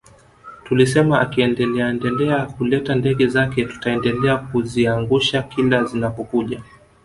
Tulisema akiendeleaendelea kuleta ndege zake tutaendelea kuziangusha kila zinapokuja